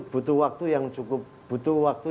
butuh waktu yang cukup butuh waktu